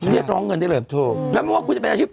เรียกร้องเงินด้วยเลย